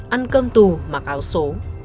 ăn cơm tù mặc áo xố